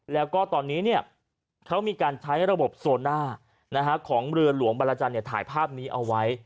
แล้วก็ตอนนี้เขามีการใช้ระบบโซน่าของเรือหลวงบรรลาจันทร์ถ่ายภาพนี้เอาไว้